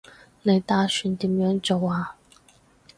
你打算點樣做啊